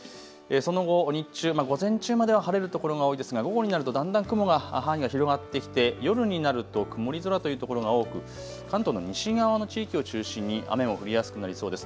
その後、日中、午前中までは晴れる所が多いですが午後になるとだんだん雲の範囲が広がってきて夜になると曇り空というところが多く関東の西側の地域を中心に雨も降りやすくなりそうです。